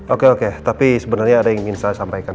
oke oke tapi sebenarnya ada yang ingin saya sampaikan